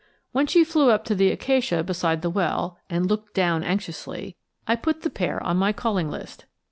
When she flew up to the acacia beside the well and looked down anxiously, I put the pair on my calling list.